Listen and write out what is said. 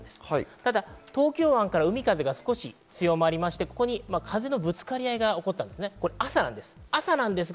ただ東京湾から海風が少し強まりまして、風のぶつかり合いが起こったんですね。